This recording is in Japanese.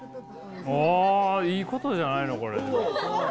あいいことじゃないのこれ。